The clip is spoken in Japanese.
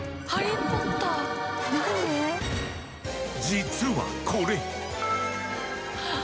実はこれ。